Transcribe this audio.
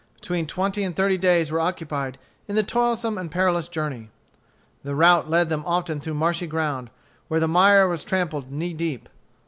Between twenty and thirty days were occupied in the toilsome and perilous journey. The route led them often through marshy ground, where the mire was trampled knee deep.